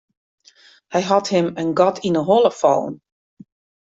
Hy hat him in gat yn 'e holle fallen.